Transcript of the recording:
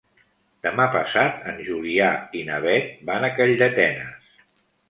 Demà passat en Julià i na Beth van a Calldetenes.